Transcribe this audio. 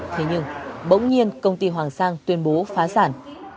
thế nhưng bỗng nhiên công ty hoàng sang tuyên bố phá sản